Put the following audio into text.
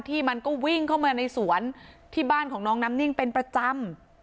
มันก็วิ่งเข้ามาในสวนที่บ้านของน้องน้ำนิ่งเป็นประจำ